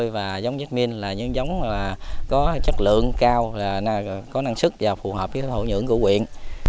và giống nhất minh là những giống có chất lượng cao có năng sức và phù hợp với hộ nhưỡng của quyện